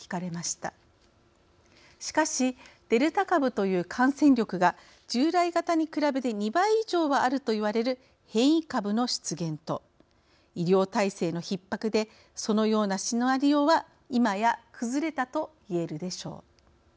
しかしデルタ株という感染力が従来型に比べて２倍以上はあるといわれる変異株の出現と医療体制のひっ迫でそのようなシナリオはいまや崩れたといえるでしょう。